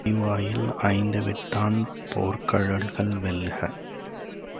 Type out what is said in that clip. பொறிவாயில் ஐந்தவித்தான் பொற்கழல்கள் வெல்க!